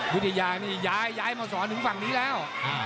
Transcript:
วิทยายายามาสอนผ่านนี้เร้ว